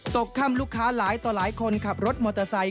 ตกค่ำลูกค้าหลายต่อหลายคนขับรถมอเตอร์ไซค